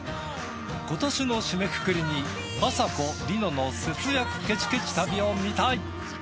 今年の締めくくりに「あさこ・梨乃の節約ケチケチ旅」を見たい！